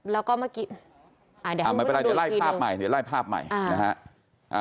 แล้วก็เมื่อกี้ไม่เป็นไรเดี๋ยวไล่ภาพใหม่นะฮะ